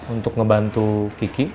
untuk ngebantu kiki